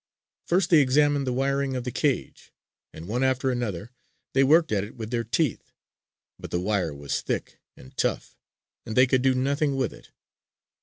First they examined the wiring of the cage, and one after another they worked at it with their teeth. But the wire was thick and tough, and they could do nothing with it.